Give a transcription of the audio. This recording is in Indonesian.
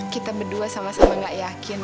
kita berdua sama sama gak yakin